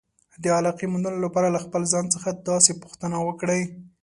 د علاقې موندلو لپاره له خپل ځان څخه داسې پوښتنې وکړئ.